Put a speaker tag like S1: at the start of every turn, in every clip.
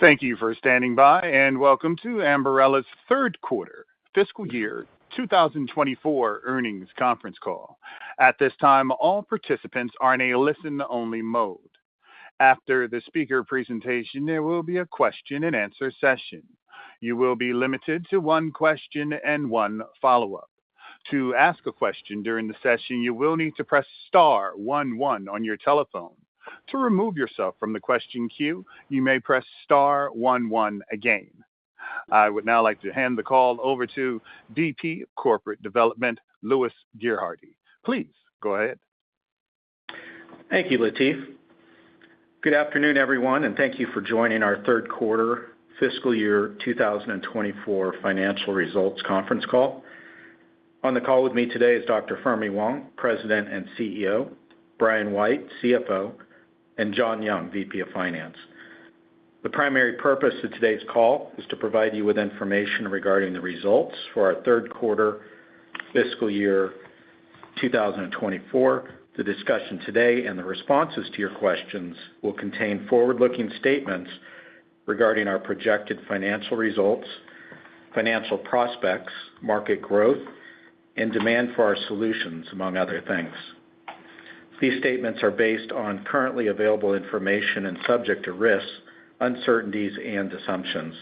S1: Thank you for standing by, and welcome to Ambarella's Q3 fiscal year 2024 earnings conference call. At this time, all participants are in a listen-only mode. After the speaker presentation, there will be a question-and-answer session. You will be limited to one question and one follow-up. To ask a question during the session, you will need to press star one one on your telephone. To remove yourself from the question queue, you may press star one one again. I would now like to hand the call over to VP of Corporate Development, Louis Gerhardy. Please go ahead.
S2: Thank you, Latif. Good afternoon, everyone, and thank you for joining our Q3 fiscal year 2024 financial results conference call. On the call with me today is Dr. Fermi Wang, President and CEO, Brian White, CFO, and John Young, VP of Finance. The primary purpose of today's call is to provide you with information regarding the results for our Q3 fiscal year 2024. The discussion today and the responses to your questions will contain forward-looking statements regarding our projected financial results, financial prospects, market growth, and demand for our solutions, among other things. These statements are based on currently available information and subject to risks, uncertainties, and assumptions.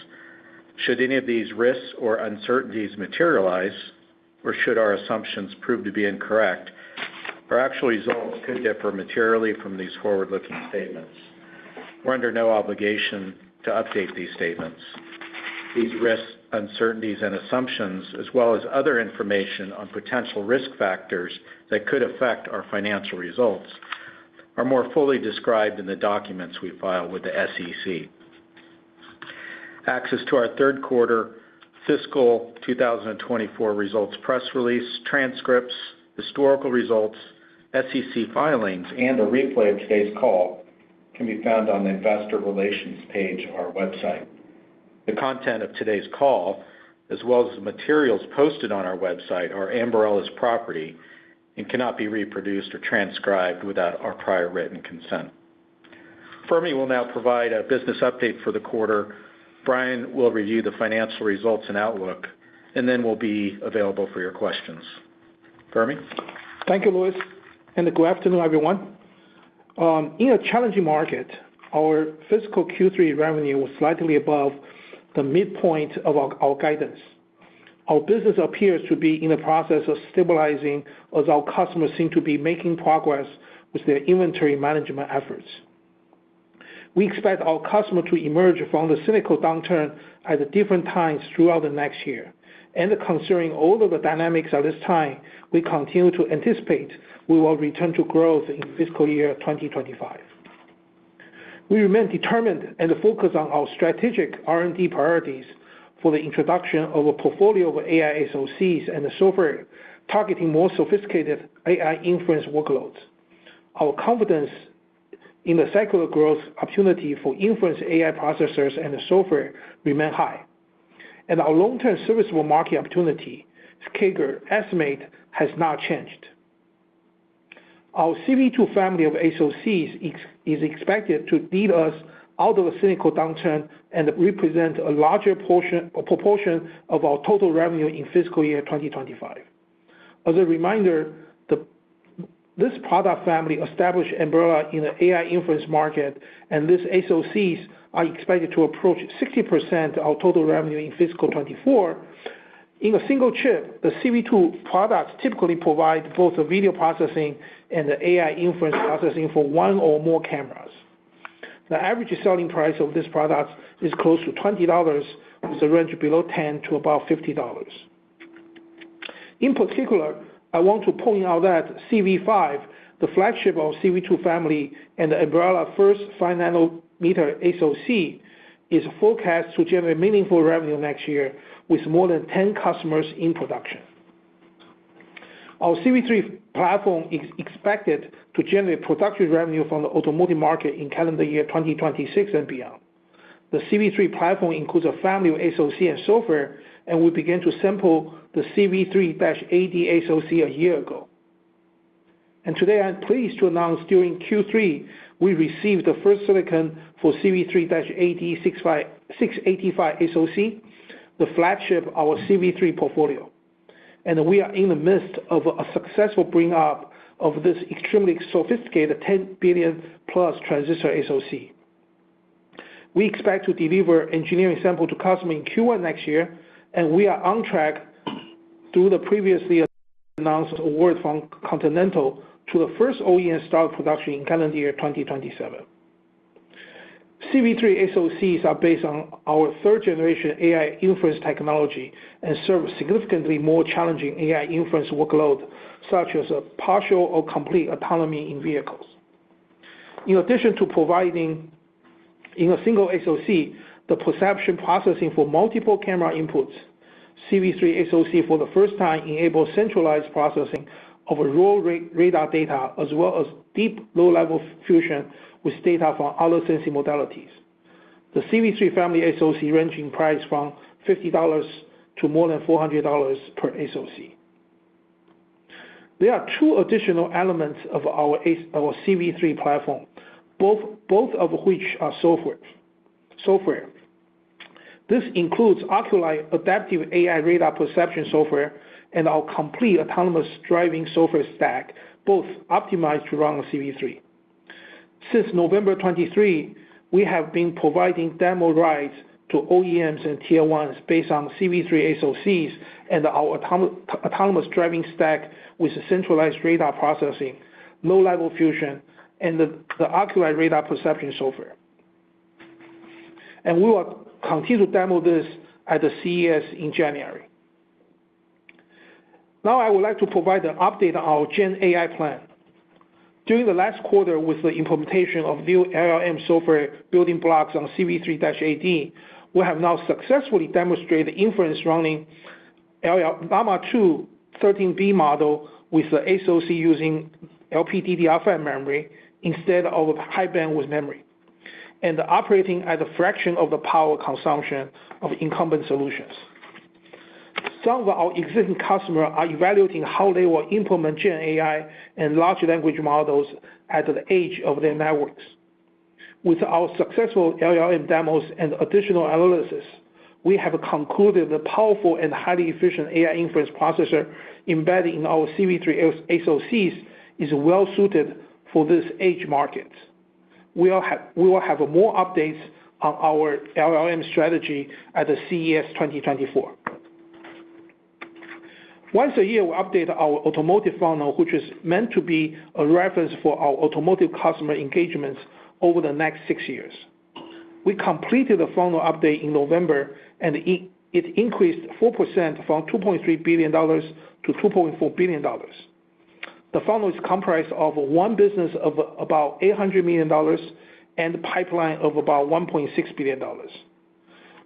S2: Should any of these risks or uncertainties materialize, or should our assumptions prove to be incorrect, our actual results could differ materially from these forward-looking statements. We're under no obligation to update these statements. These risks, uncertainties, and assumptions, as well as other information on potential risk factors that could affect our financial results, are more fully described in the documents we file with the SEC. Access to our Q3 fiscal 2024 results, press release, transcripts, historical results, SEC filings, and a replay of today's call can be found on the investor relations page of our website. The content of today's call, as well as the materials posted on our website, are Ambarella's property and cannot be reproduced or transcribed without our prior written consent. Fermi will now provide a business update for the quarter. Brian will review the financial results and outlook, and then we'll be available for your questions. Fermi?
S3: Thank you, Louis, and good afternoon, everyone. In a challenging market, our fiscal Q3 revenue was slightly above the midpoint of our guidance. Our business appears to be in the process of stabilizing, as our customers seem to be making progress with their inventory management efforts. We expect our customer to emerge from the cyclical downturn at different times throughout the next year. Considering all of the dynamics at this time, we continue to anticipate we will return to growth in fiscal year 2025. We remain determined and focused on our strategic R&D priorities for the introduction of a portfolio of AI SoCs and software, targeting more sophisticated AI inference workloads. Our confidence in the secular growth opportunity for inference AI processors and software remain high, and our long-term serviceable market opportunity CAGR estimate has not changed. Our CV2 family of SoCs is expected to lead us out of the cyclical downturn and represent a larger portion or proportion of our total revenue in fiscal year 2025. As a reminder, this product family established Ambarella in the AI inference market, and these SoCs are expected to approach 60% of total revenue in fiscal 2024. In a single chip, the CV2 products typically provide both the video processing and the AI inference processing for one or more cameras. The average selling price of this product is close to $20, with a range below $10 to about $50. In particular, I want to point out that CV5, the flagship of CV2 family and the Ambarella first 5-nanometer SoC, is forecast to generate meaningful revenue next year, with more than 10 customers in production. Our CV3 platform is expected to generate productive revenue from the automotive market in calendar year 2026 and beyond. The CV3 platform includes a family of SoC and software, and we began to sample the CV3-AD SoC a year ago. And today, I'm pleased to announce during Q3, we received the first silicon for CV3-AD685 SoC, the flagship of our CV3 portfolio. And we are in the midst of a successful bring up of this extremely sophisticated 10 billion+ transistor SoC. We expect to deliver engineering sample to customer in Q1 next year, and we are on track through the previously announced award from Continental to the first OEM start production in calendar year 2027. CV3 SoCs are based on our third-generation AI inference technology and serve significantly more challenging AI inference workload, such as a partial or complete autonomy in vehicles. In addition to providing, in a single SoC, the perception processing for multiple camera inputs, CV3 SoC for the first time enables centralized processing of a raw radar data, as well as deep low-level fusion with data from other sensing modalities. The CV3 family SoCs range in price from $50 to more than $400 per SoC. There are two additional elements of our aspects, our CV3 platform, both of which are software. This includes Oculii adaptive AI radar perception software, and our complete autonomous driving software stack, both optimized to run on CV3. Since November 2023, we have been providing demo rides to OEMs and Tier 1s based on CV3 SoCs and our autonomous driving stack with a centralized radar processing, low-level fusion, and the Oculii radar perception software. We will continue to demo this at the CES in January. Now, I would like to provide an update on our Gen AI plan. During the last quarter, with the implementation of new LLM software building blocks on CV3-AD, we have now successfully demonstrated inference running Llama 2 13B model with the SoC using LPDDR5 memory instead of high-bandwidth memory, and operating at a fraction of the power consumption of incumbent solutions. Some of our existing customer are evaluating how they will implement Gen AI and large language models at the edge of their networks. With our successful LLM demos and additional analysis, we have concluded the powerful and highly efficient AI inference processor embedded in our CV3 SoCs is well suited for this edge market. We'll have, we will have more updates on our LLM strategy at the CES 2024. Once a year, we update our automotive funnel, which is meant to be a reference for our automotive customer engagements over the next six years. We completed the funnel update in November, and it, it increased 4% from $2.3 billion to $2.4 billion. The funnel is comprised of one business of about $800 million, and a pipeline of about $1.6 billion.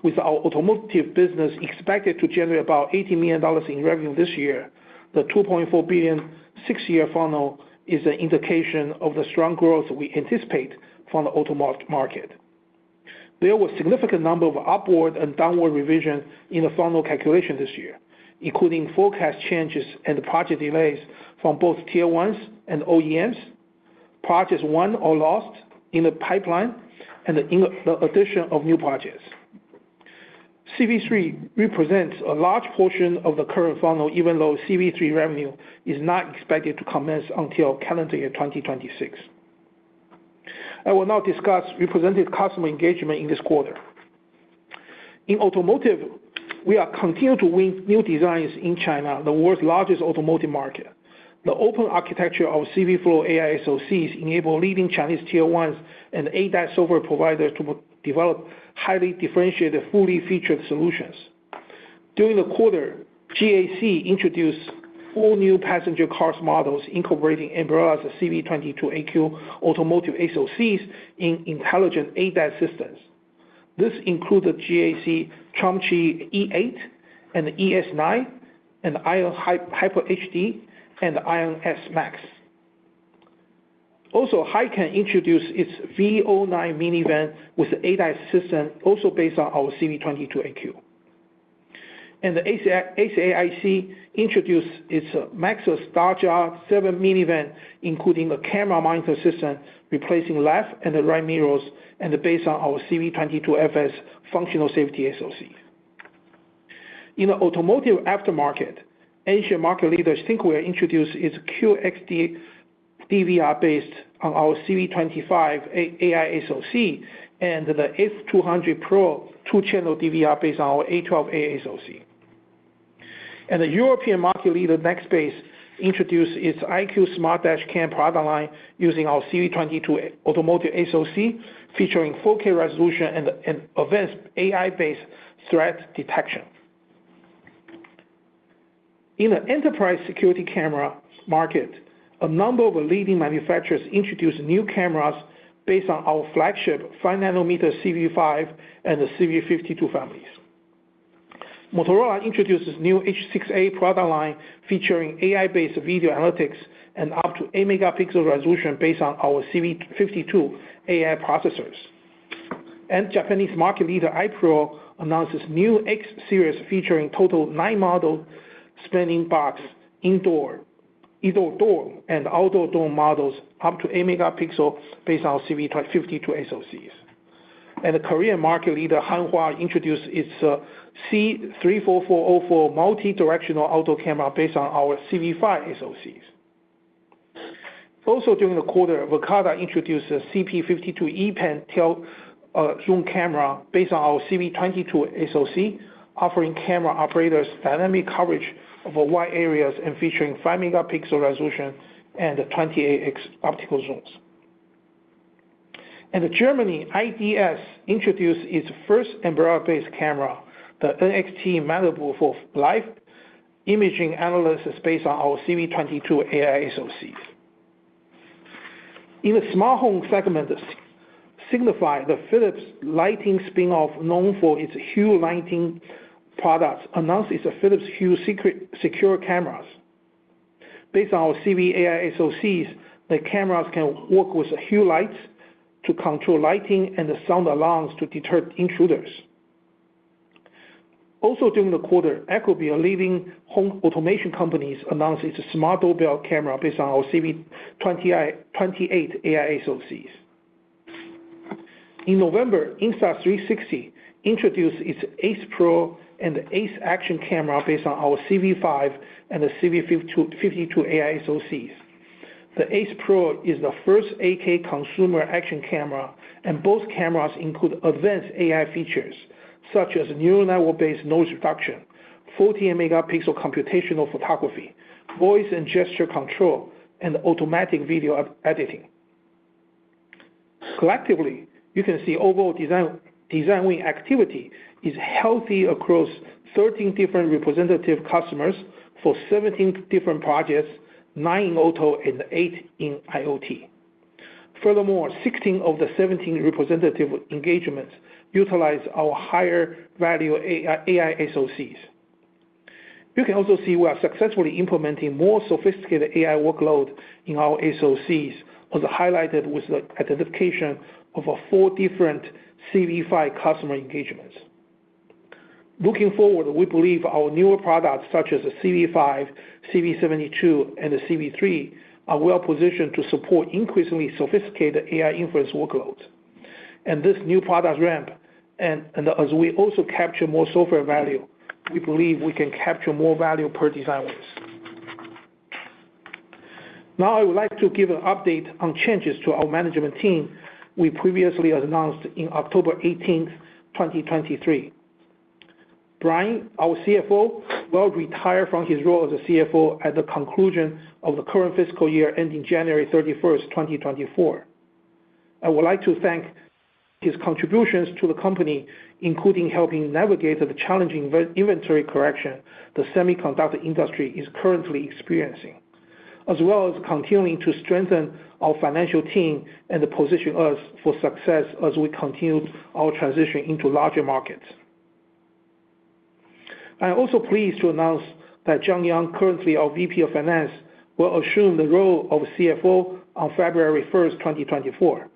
S3: With our automotive business expected to generate about $80 million in revenue this year, the $2.4 billion six-year funnel is an indication of the strong growth we anticipate from the automotive market. There were significant number of upward and downward revisions in the funnel calculation this year, including forecast changes and project delays from both Tier 1s and OEMs, projects won or lost in the pipeline, and the addition of new projects. CV3 represents a large portion of the current funnel, even though CV3 revenue is not expected to commence until calendar year 2026. I will now discuss representative customer engagement in this quarter. In automotive, we continue to win new designs in China, the world's largest automotive market. The open architecture of CVflow AI SoCs enables leading Chinese Tier 1s and ADAS software providers to develop highly differentiated, fully featured solutions. During the quarter, GAC introduced four new passenger cars models incorporating Ambarella's CV22AQ automotive SoCs in intelligent ADAS systems. This includes the GAC Trumpchi E8 and the ES9, and Aion Hyper HT, and the Aion S Max. Also, Hycan introduced its V09 minivan with ADAS system, also based on our CV22AQ. SAIC introduced its Maxus Starja 7 minivan, including a camera monitoring system, replacing left and the right mirrors, and based on our CV22FS functional safety SoCs. In the automotive aftermarket, Asian market leader Thinkware introduced its QXD DVR based on our CV25 AI SoC, and the F200 Pro two-channel DVR based on our A12A SoC. The European market leader Nextbase introduced its IQ Smart Dash Cam product line using our CV22 automotive SoC, featuring 4K resolution and advanced AI-based threat detection. In an enterprise security camera market, a number of leading manufacturers introduced new cameras based on our flagship 5-nanometer CV5 and the CV52 families. Motorola introduces new H6A product line, featuring AI-based video analytics and up to 8-megapixel resolution based on our CV52 AI processors. And Japanese market leader i-PRO announces new X Series, featuring total 9 model standing box indoor, indoor dome, and outdoor dome models, up to 8-megapixel based on CV52 SoCs. And the Korean market leader Hanwha introduced its C34404 multi-directional outdoor camera based on our CV5 SoCs. Also, during the quarter, Verkada introduced a CP52-E pan tilt zoom camera based on our CV22 SoC, offering camera operators dynamic coverage over wide areas and featuring 5-megapixel resolution and 28x optical zooms. The German IDS introduced its first Ambarella-based camera, the NXT model for life imaging analysis based on our CV22 AI SoCs. In the smart home segment, Signify, the Philips lighting spin-off, known for its Hue lighting products, announced its Philips Hue Secure cameras. Based on our CV AI SoCs, the cameras can work with Hue lights to control lighting and sound alarms to deter intruders. Also during the quarter, ecobee, a leading home automation company, announced its smart doorbell camera based on our CV28 AI SoCs. In November, Insta360 introduced its Ace Pro and Ace action cameras based on our CV5 and CV52 AI SoCs. The Ace Pro is the first 8K consumer action camera, and both cameras include advanced AI features, such as neural network-based noise reduction, 40-megapixel computational photography, voice and gesture control, and automatic video editing. Collectively, you can see overall design, design win activity is healthy across 13 different representative customers for 17 different projects, 9 in auto and 8 in IoT. Furthermore, 16 of the 17 representative engagements utilize our higher value AI, AI SoCs. You can also see we are successfully implementing more sophisticated AI workload in our SoCs, as highlighted with the identification of a four different CV5 customer engagements. Looking forward, we believe our newer products, such as the CV5, CV72, and the CV3, are well positioned to support increasingly sophisticated AI inference workloads. And this new product ramp, and, and as we also capture more software value, we believe we can capture more value per design wins. Now, I would like to give an update on changes to our management team we previously announced in October 18, 2023. Brian, our CFO, will retire from his role as CFO at the conclusion of the current fiscal year, ending January 31, 2024. I would like to thank his contributions to the company, including helping navigate the challenging inventory correction the semiconductor industry is currently experiencing, as well as continuing to strengthen our financial team and to position us for success as we continue our transition into larger markets. I am also pleased to announce that John Young, currently our VP of Finance, will assume the role of CFO on February 1, 2024.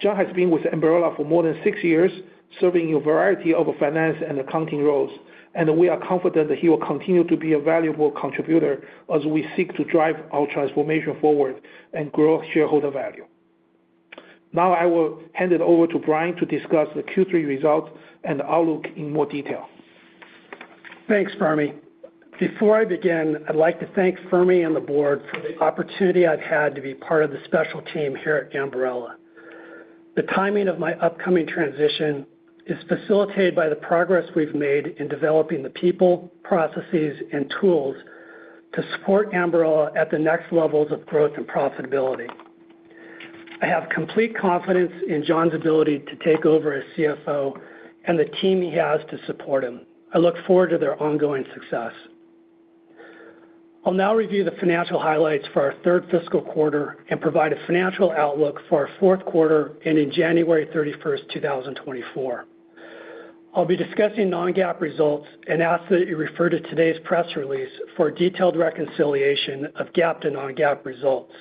S3: John has been with Ambarella for more than six years, serving a variety of finance and accounting roles, and we are confident that he will continue to be a valuable contributor as we seek to drive our transformation forward and grow shareholder value. Now, I will hand it over to Brian to discuss the Q3 results and outlook in more detail.
S4: Thanks, Fermi. Before I begin, I'd like to thank Fermi and the board for the opportunity I've had to be part of the special team here at Ambarella. The timing of my upcoming transition is facilitated by the progress we've made in developing the people, processes, and tools to support Ambarella at the next levels of growth and profitability. I have complete confidence in John's ability to take over as CFO and the team he has to support him. I look forward to their ongoing success. I'll now review the financial highlights for our fiscal Q3 and provide a financial outlook for our Q4, ending January 31, 2024. I'll be discussing non-GAAP results, and ask that you refer to today's press release for a detailed reconciliation of GAAP to non-GAAP results.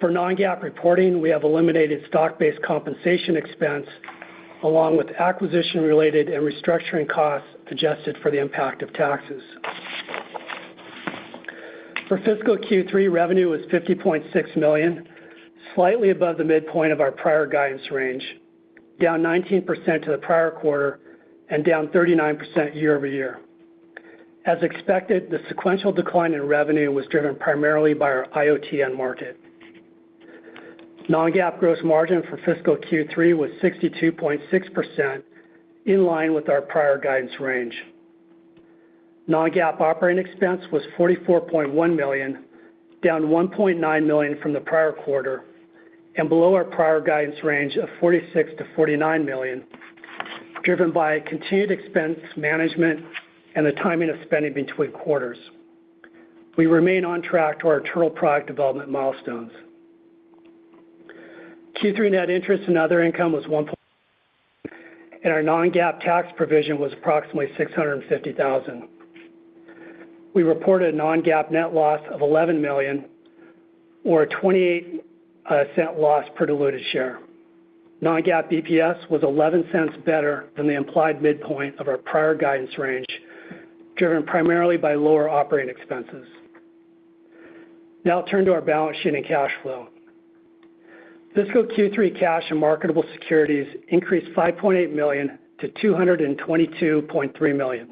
S4: For non-GAAP reporting, we have eliminated stock-based compensation expense, along with acquisition-related and restructuring costs, adjusted for the impact of taxes. For fiscal Q3, revenue was $50.6 million, slightly above the midpoint of our prior guidance range, down 19% to the prior quarter and down 39% year-over-year. As expected, the sequential decline in revenue was driven primarily by our IoT end market. Non-GAAP gross margin for fiscal Q3 was 62.6%, in line with our prior guidance range. Non-GAAP operating expense was $44.1 million, down $1.9 million from the prior quarter and below our prior guidance range of $46 million-$49 million, driven by continued expense management and the timing of spending between quarters. We remain on track to our internal product development milestones. Q3 net interest and other income was $0.1 million, and our non-GAAP tax provision was approximately $650,000. We reported a non-GAAP net loss of $11 million, or a 28-cent loss per diluted share. Non-GAAP BPS was 11 cents better than the implied midpoint of our prior guidance range, driven primarily by lower operating expenses. Now I'll turn to our balance sheet and cash flow. Fiscal Q3 cash and marketable securities increased $5.8 million to $222.3 million.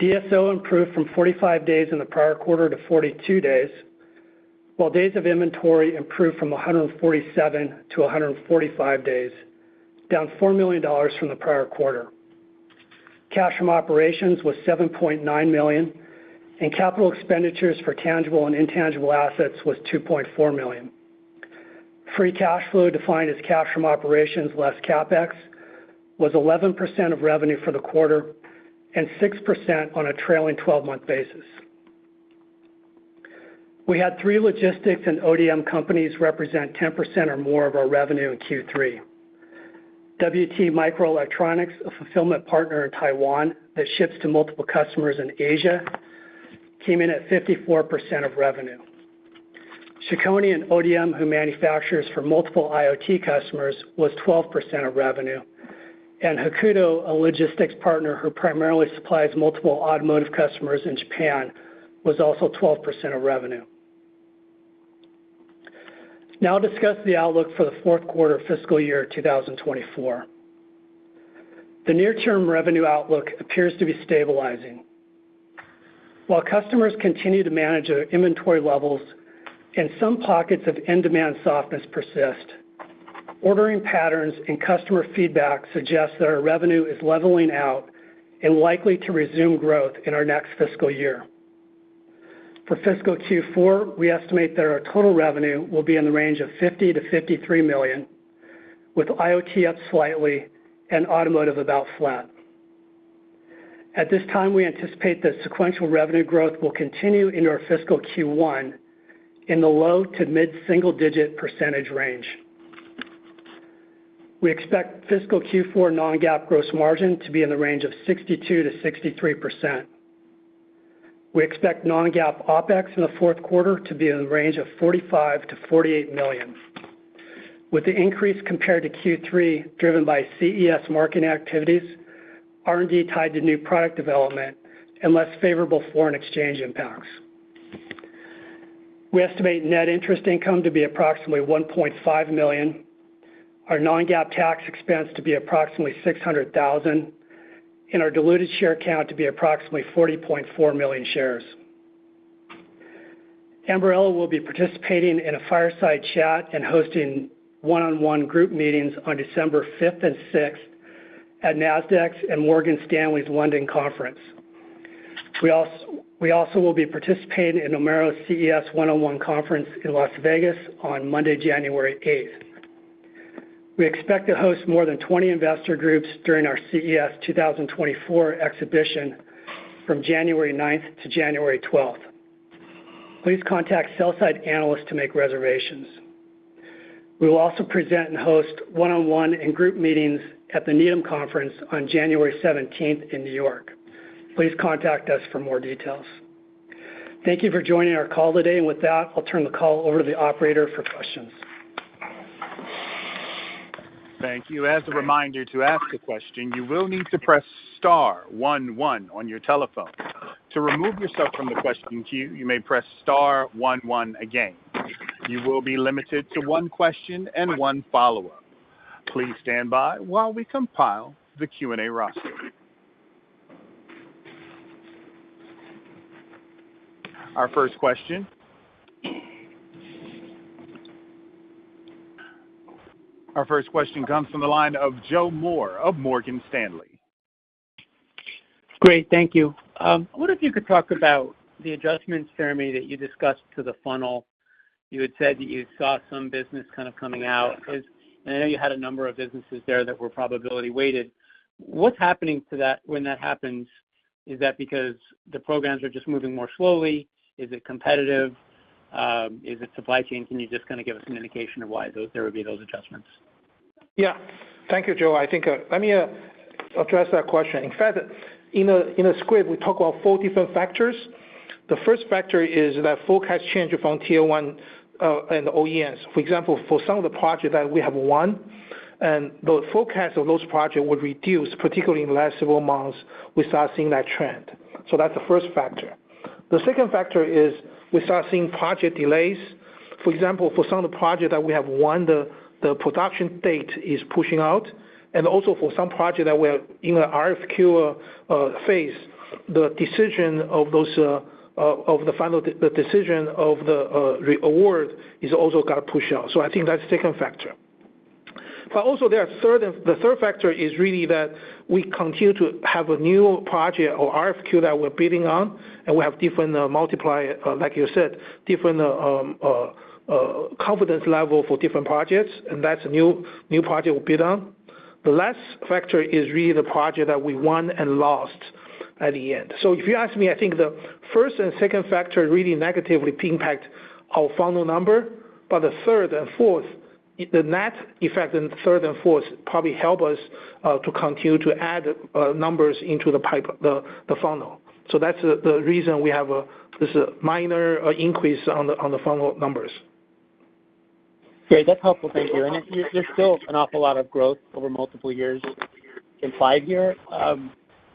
S4: DSO improved from 45 days in the prior quarter to 42 days, while days of inventory improved from 147 to 145 days, down $4 million from the prior quarter. Cash from operations was $7.9 million, and capital expenditures for tangible and intangible assets was $2.4 million. Free cash flow, defined as cash from operations less CapEx, was 11% of revenue for the quarter and 6% on a trailing twelve-month basis. We had three logistics and ODM companies represent 10% or more of our revenue in Q3. WT Microelectronics, a fulfillment partner in Taiwan that ships to multiple customers in Asia, came in at 54% of revenue. Chicony and ODM, who manufactures for multiple IoT customers, was 12% of revenue, and Hakuto, a logistics partner who primarily supplies multiple automotive customers in Japan, was also 12% of revenue. Now I'll discuss the outlook for the Q4 fiscal year 2024. The near-term revenue outlook appears to be stabilizing. While customers continue to manage their inventory levels and some pockets of end demand softness persist, ordering patterns and customer feedback suggests that our revenue is leveling out and likely to resume growth in our next fiscal year. For fiscal Q4, we estimate that our total revenue will be in the range of $50 million-$53 million, with IoT up slightly and automotive about flat. At this time, we anticipate that sequential revenue growth will continue into our fiscal Q1 in the low to mid-single-digit percentage range. We expect fiscal Q4 non-GAAP gross margin to be in the range of 62%-63%. We expect non-GAAP OpEx in the Q4 to be in the range of $45 million-$48 million, with the increase compared to Q3, driven by CES marketing activities, R&D tied to new product development, and less favorable foreign exchange impacts. We estimate net interest income to be approximately $1.5 million, our non-GAAP tax expense to be approximately $600,000, and our diluted share count to be approximately 40.4 million shares. Ambarella will be participating in a fireside chat and hosting one-on-one group meetings on December fifth and sixth at Nasdaq's and Morgan Stanley's London conference. We also will be participating in Oppenheimer's CES one-on-one conference in Las Vegas on Monday, January eighth. We expect to host more than 20 investor groups during our CES 2024 exhibition from January ninth to January twelfth. Please contact sell-side analyst to make reservations. We will also present and host one-on-one and group meetings at the Needham Conference on January seventeenth in New York. Please contact us for more details. Thank you for joining our call today, and with that, I'll turn the call over to the operator for questions.
S1: Thank you. As a reminder, to ask a question, you will need to press star one one on your telephone. To remove yourself from the question queue, you may press star one one again. You will be limited to one question and one follow-up. Please stand by while we compile the Q&A roster. Our first question. Our first question comes from the line of Joe Moore of Morgan Stanley.
S5: Great, thank you. I wonder if you could talk about the adjustments, Jeremy, that you discussed to the funnel. You had said that you saw some business kind of coming out, because I know you had a number of businesses there that were probability weighted. What's happening to that when that happens? Is that because the programs are just moving more slowly? Is it competitive? Is it supply chain? Can you just kind of give us an indication of why those there would be those adjustments?
S4: Yeah. Thank you, Joe. I think, let me, address that question. In fact, in a script, we talk about four different factors. The first factor is that forecast change from Tier 1 and OEMs. For example, for some of the projects that we have won, and the forecast of those projects would reduce, particularly in the last several months, we start seeing that trend. So that's the first factor. The second factor is we start seeing project delays. For example, for some of the projects that we have won, the production date is pushing out, and also for some projects that we are in an RFQ phase, the decision of those, of the final, the decision of the award is also got pushed out. So I think that's the second factor. But also, there are third and the third factor is really that we continue to have a new project or RFQ that we're bidding on, and we have different multiplier, like you said, different confidence level for different projects, and that's new project will bid on. The last factor is really the project that we won and lost at the end. So if you ask me, I think the first and second factor really negatively impacted our funnel number, but the third and fourth, the net effect in third and fourth probably help us to continue to add numbers into the pipe, the funnel. So that's the reason we have this minor increase on the funnel numbers.
S5: Great. That's helpful, thank you. There's still an awful lot of growth over multiple years implied here.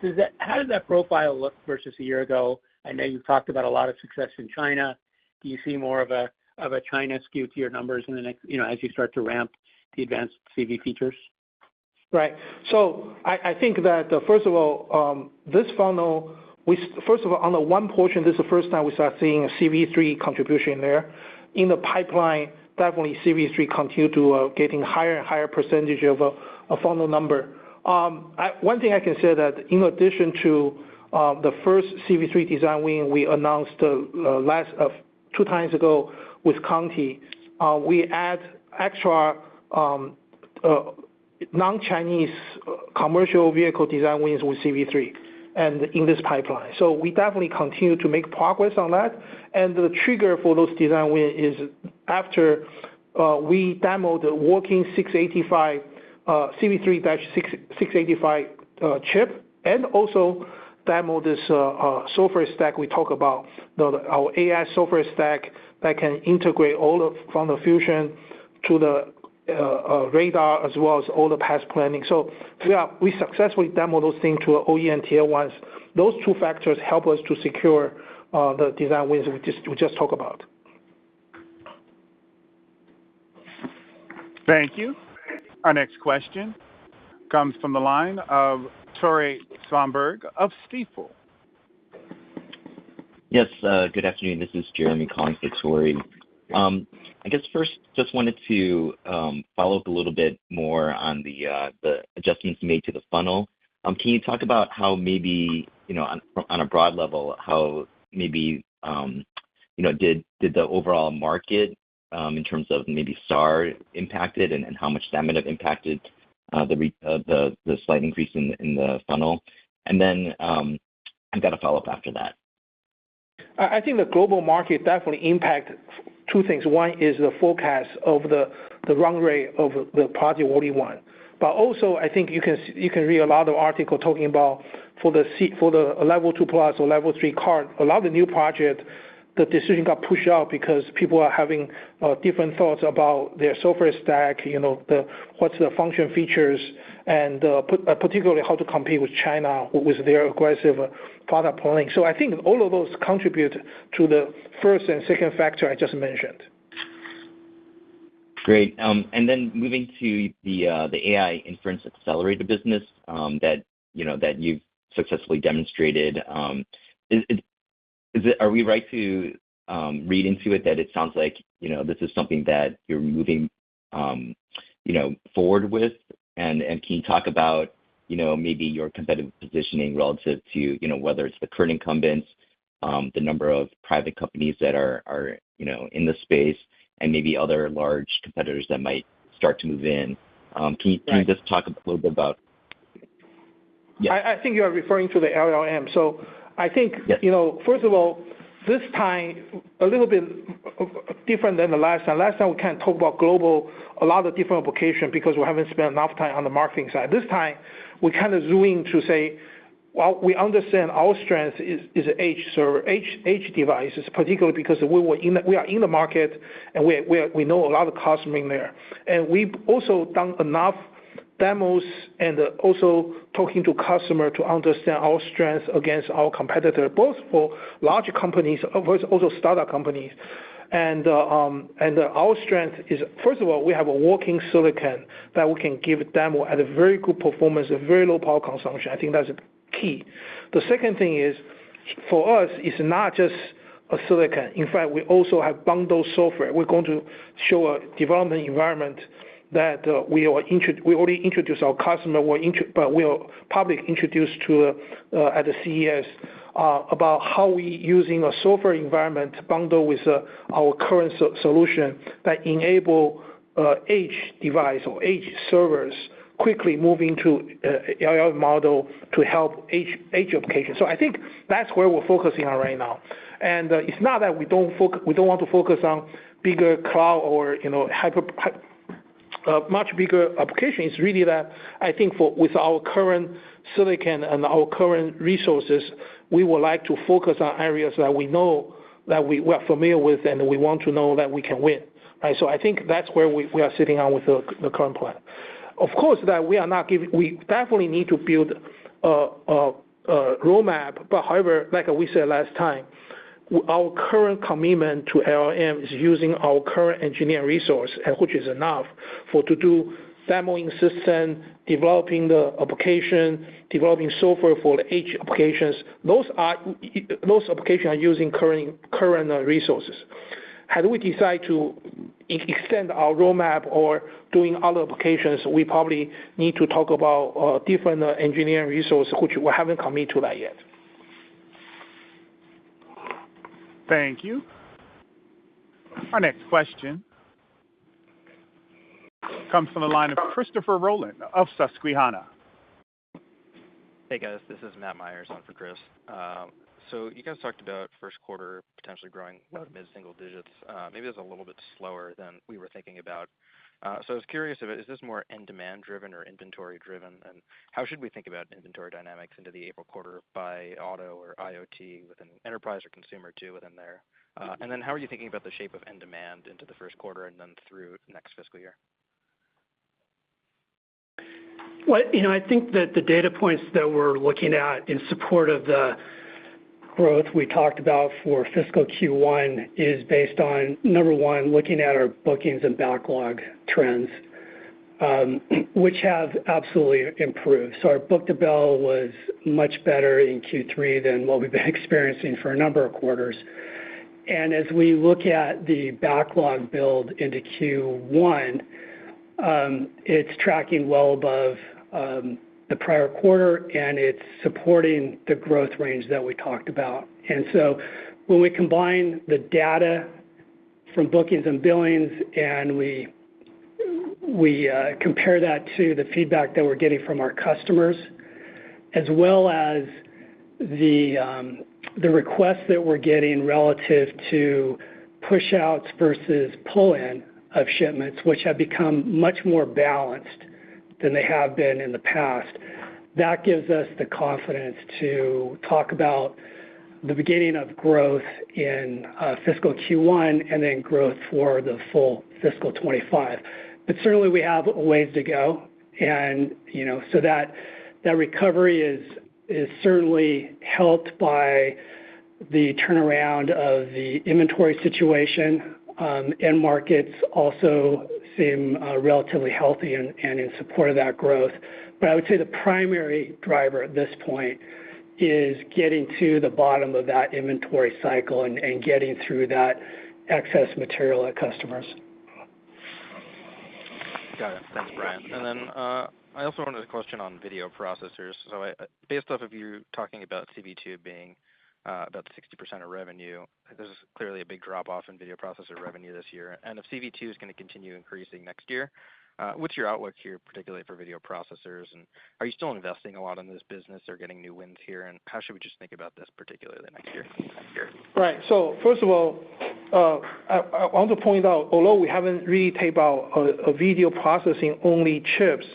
S5: Does that - how does that profile look versus a year ago? I know you've talked about a lot of success in China. Do you see more of a China skew to your numbers in the next as you start to ramp the advanced CV features?
S4: Right. So I think that, first of all, this funnel, we first of all, on the one portion, this is the first time we start seeing a CV3 contribution there. In the pipeline, definitely CV3 continue to, getting higher and higher percentage of a, a funnel number. One thing I can say that in addition to, the first CV3 design win, we announced, last, two times ago with Continental, we add extra, non-Chinese commercial vehicle design wins with CV3 and in this pipeline. So we definitely continue to make progress on that. And the trigger for those design win is after, we demoed a working 685....
S3: CV3-AD685 chip, and also demo this software stack we talk about. Our AI software stack that can integrate all of—from the fusion to the radar, as well as all the path planning. So yeah, we successfully demo those things to our OEM Tier 1s. Those two factors help us to secure the design wins we just talk about.
S1: Thank you. Our next question comes from the line of Tory Svanberg of Stifel.
S6: Yes, good afternoon, this is Jeremy calling for Tory. I guess first, just wanted to follow up a little bit more on the adjustments you made to the funnel. Can you talk about how maybe, on a broad level, how maybe did the overall market in terms of maybe SAR impacted, and how much that might have impacted the slight increase in the funnel? And then, I've got a follow-up after that.
S3: I think the global market definitely impacts two things. One is the forecast of the run rate of Project 81. But also, I think you can read a lot of articles talking about for the L2+ or L3 car, a lot of the new projects, the decision got pushed out because people are having different thoughts about their software stack what's the function features, and particularly, how to compete with China, with their aggressive product planning. So I think all of those contribute to the first and second factor I just mentioned.
S6: Great. And then moving to the AI inference accelerator business, that you've successfully demonstrated. Are we right to read into it, that it sounds like this is something that you're moving forward with? And can you talk about maybe your competitive positioning relative to whether it's the current incumbents, the number of private companies that are in the space, and maybe other large competitors that might start to move in? Can you-
S3: Right.
S6: Can you just talk a little bit about... Yeah.
S3: I think you are referring to the LLM. So I think-
S6: Yeah...
S3: first of all, this time, a little bit different than the last time. Last time, we kind of talked about global, a lot of different application, because we haven't spent enough time on the marketing side. This time, we're kind of zooming to say, well, we understand our strength is, is edge server, edge, edge devices, particularly because we were in the-- we are in the market, and we are, we are, we know a lot of customers in there. And we've also done enough demos and also talking to customers to understand our strength against our competitor, both for larger companies versus also startup companies. And our strength is, first of all, we have a working silicon that we can give demo at a very good performance, a very low power consumption. I think that's key. The second thing is, for us, it's not just a silicon. In fact, we also have bundled software. We're going to show a development environment that we already introduced to our customer, but we publicly introduced at the CES about how we're using a software environment bundled with our current solution that enables edge device or edge servers to quickly move into AI model to help edge applications. So I think that's where we're focusing on right now. And it's not that we don't want to focus on bigger cloud or hyper much bigger applications. It's really that, I think with our current silicon and our current resources, we would like to focus on areas that we know, that we are familiar with, and we want to know that we can win, right? So I think that's where we are sitting on with the current plan. Of course, we definitely need to build a roadmap. But however, like we said last time, our current commitment to LLM is using our current engineering resource, which is enough to do demoing system, developing the application, developing software for the edge applications. Those applications are using current resources. Had we decide to extend our roadmap or doing other applications, we probably need to talk about different engineering resources, which we haven't committed to that yet.
S1: Thank you. Our next question comes from the line of Christopher Rolland of Susquehanna.
S7: Hey, guys, this is Matt Meyers in for Chris. So you guys talked about Q1 potentially growing about mid-single digits. Maybe it's a little bit slower than we were thinking about. So I was curious if is this more end demand driven or inventory driven? And how should we think about inventory dynamics into the April quarter by auto or IoT within enterprise or consumer, too, within there? And then how are you thinking about the shape of end demand into the Q1 and then through next fiscal year?
S4: Well, I think that the data points that we're looking at in support of the growth we talked about for fiscal Q1 is based on, number one, looking at our bookings and backlog trends, which have absolutely improved. So our book-to-bill was much better in Q3 than what we've been experiencing for a number of quarters. And as we look at the backlog build into Q1, it's tracking well above the prior quarter, and it's supporting the growth range that we talked about. And so when we combine the data from bookings and billings, and we compare that to the feedback that we're getting from our customers, as well as the request that we're getting relative to push outs versus pull-in of shipments, which have become much more balanced than they have been in the past. That gives us the confidence to talk about the beginning of growth in fiscal Q1, and then growth for the full fiscal 25. But certainly, we have a ways to go, and so that recovery is, is certainly helped by the turnaround of the inventory situation. End markets also seem relatively healthy and, and in support of that growth. But I would say the primary driver at this point is getting to the bottom of that inventory cycle and, and getting through that excess material at customers.
S7: Got it. Thanks, Brian. And then, I also wanted a question on video processors. So I, based off of you talking about CV2 being, about 60% of revenue, there's clearly a big drop-off in video processor revenue this year. And if CV2 is gonna continue increasing next year, what's your outlook here, particularly for video processors? And are you still investing a lot in this business or getting new wins here, and how should we just think about this, particularly next year?
S3: Right. So first of all, I want to point out, although we haven't really talked about a video processing-only chips,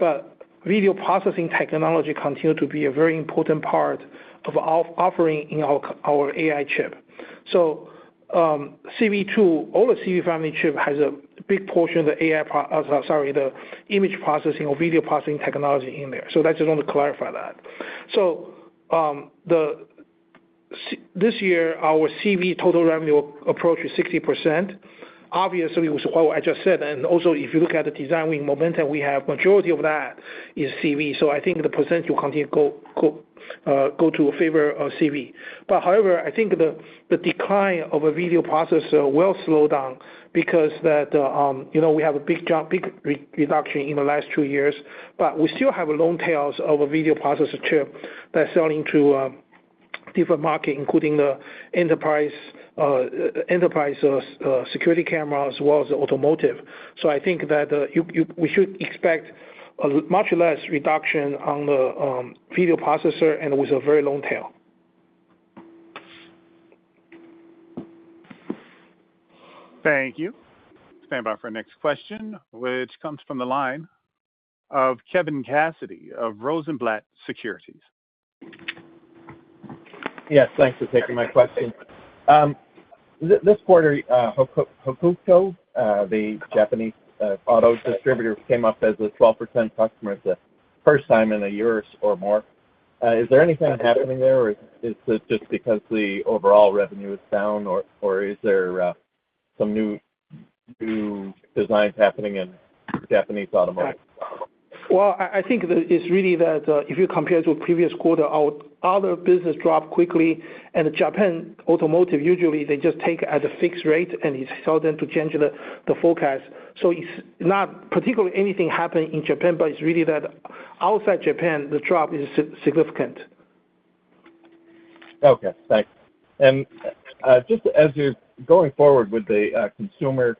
S3: but video processing technology continue to be a very important part of offering in our AI chip. So, CV2, all the CV family chip has a big portion of the image processing or video processing technology in there. So that's just want to clarify that. So, this year, our CV total revenue approach is 60%. Obviously, it was what I just said, and also if you look at the designing momentum, we have majority of that is CV. So I think the percentage will continue to go to a favor of CV. However, I think the decline of a video processor will slow down because we have a big reduction in the last two years, but we still have long tails of a video processor chip that's selling to different market, including the enterprise security camera as well as automotive. So I think that we should expect a much less reduction on the video processor, and it was a very long tail.
S1: Thank you. Stand by for our next question, which comes from the line of Kevin Cassidy, of Rosenblatt Securities.
S8: Yes, thanks for taking my question. This quarter, Hakuto, the Japanese auto distributor, came up as a 12% customer. It's the first time in a year or more. Is there anything happening there, or is it just because the overall revenue is down, or is there some new designs happening in Japanese automotive?
S3: Well, I think that it's really that, if you compare to a previous quarter, our other business dropped quickly, and Japan automotive, usually, they just take at a fixed rate, and it's hard then to change the forecast. So it's not particularly anything happening in Japan, but it's really that outside Japan, the drop is significant.
S8: Okay, thanks. And just as you're going forward with the consumer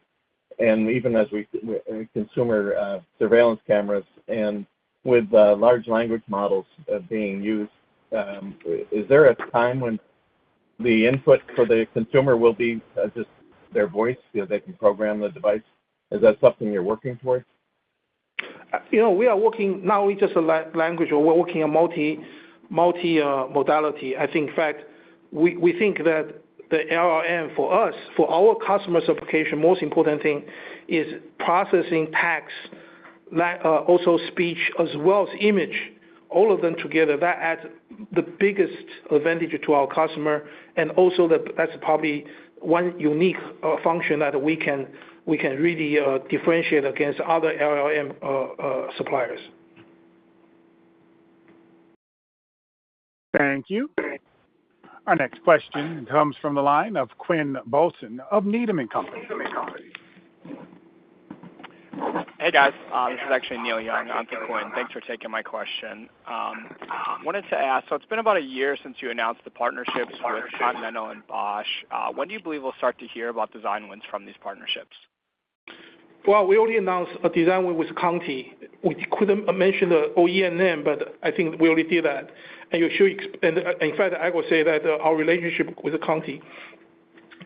S8: surveillance cameras and with large language models being used, is there a time when the input for the consumer will be as just their voice they can program the device? Is that something you're working towards?
S3: We are working now, with just a language, we're working on multi-modality. I think, in fact, we think that the LLM, for us, for our customers' application, most important thing is processing text, also speech as well as image, all of them together. That adds the biggest advantage to our customer, and also that, that's probably one unique function that we can really differentiate against other LLM suppliers.
S1: Thank you. Our next question comes from the line of Quinn Bolton of Needham and Company.
S9: Hey, guys. This is actually Neil Young on for Quinn. Thanks for taking my question. I wanted to ask, so it's been about a year since you announced the partnerships with Continental and Bosch. When do you believe we'll start to hear about design wins from these partnerships?
S3: Well, we only announced a design win with Conti. We couldn't mention the OEM name, but I think we already did that. And, in fact, I will say that, our relationship with Conti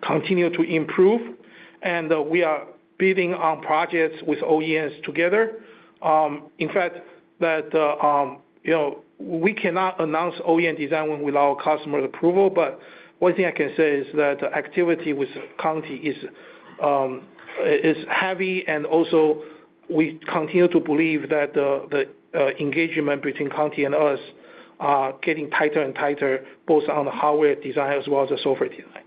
S3: continues to improve, and, we are bidding on projects with OEMs together. In fact, that we cannot announce OEM design without customer approval, but one thing I can say is that activity with Conti is, is heavy, and also we continue to believe that the, the, engagement between Conti and us are getting tighter and tighter, both on the hardware design as well as the software design.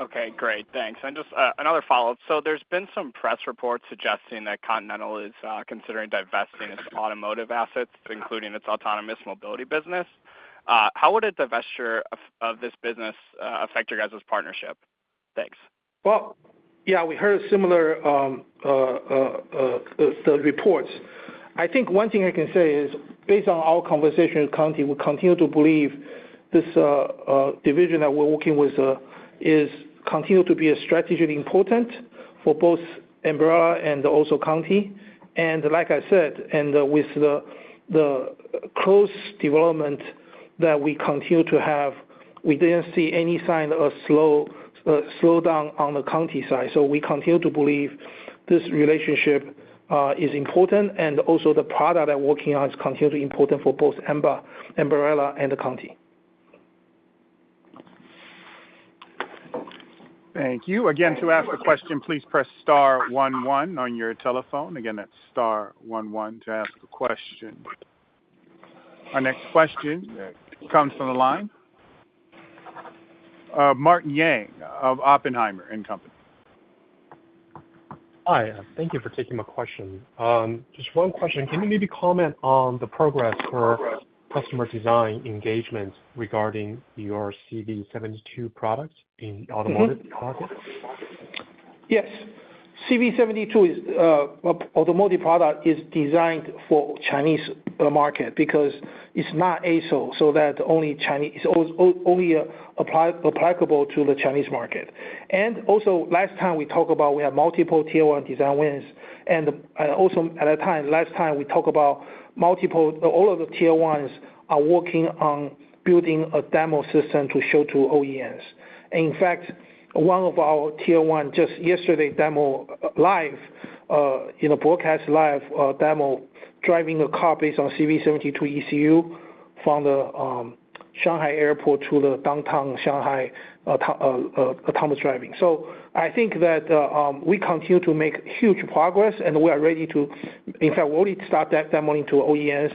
S9: Okay, great. Thanks. And just another follow-up. So there's been some press reports suggesting that Continental is considering divesting its automotive assets, including its autonomous mobility business. How would a divestiture of this business affect your guys' partnership? Thanks.
S3: Well, yeah, we heard similar reports. I think one thing I can say is, based on our conversation with Conti, we continue to believe this division that we're working with is continue to be a strategically important for both Ambarella and also Conti. And like I said, with the close development that we continue to have, we didn't see any sign of slow down on the Conti side. So we continue to believe this relationship is important, and also the product that we're working on is continually important for both Ambarella and the Conti.
S1: Thank you. Again, to ask a question, please press star one, one on your telephone. Again, that's star one, one to ask a question. Our next question comes from the line, Martin Yang of Oppenheimer and Company.
S10: Hi, thank you for taking my question. Just one question, can you maybe comment on the progress for customer design engagement regarding your CV72 products in automotive market?
S3: Yes. CV72 is automotive product designed for Chinese market because it's not ASIL, so that only applicable to the Chinese market. And also, last time we talked about we have multiple Tier 1 design wins, and, and also at that time, last time, we talked about multiple -- all of the Tier 1s are working on building a demo system to show to OEMs. In fact, one of our Tier 1, just yesterday, demo live in a broadcast live demo, driving a car based on CV72 ECU from the Shanghai airport to the downtown Shanghai, autonomous driving. So I think that, we continue to make huge progress, and we are ready to, in fact, we already start demoing to OEMs.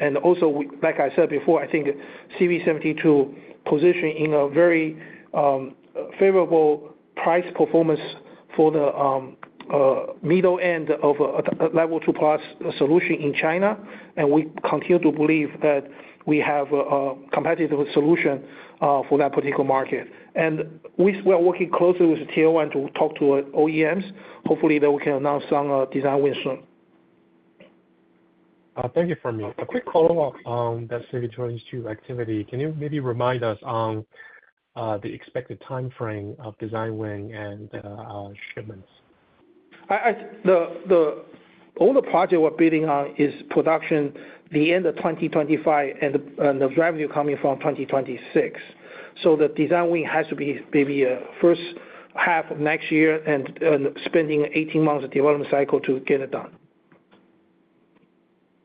S3: And also, like I said before, I think CV72 position in a very favorable price-performance for the middle end of a level 2+ solution in China. And we continue to believe that we have a competitive solution for that particular market. And we are working closely with the Tier 1 to talk to OEMs. Hopefully, we can announce some design wins soon.
S10: Thank you, Fermi. A quick follow-up on that CV22 activity. Can you maybe remind us on the expected time frame of design win and shipments?
S3: All the project we're bidding on is production the end of 2025 and the revenue coming from 2026. So the design win has to be maybe first half of next year and spending 18 months of development cycle to get it done.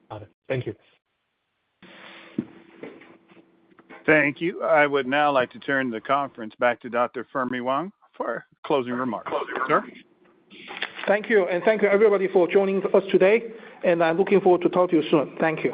S10: Got it. Thank you.
S1: Thank you. I would now like to turn the conference back to Dr. Fermi Wang for closing remarks. Sir?
S3: Thank you, and thank you, everybody, for joining us today, and I'm looking forward to talk to you soon. Thank you.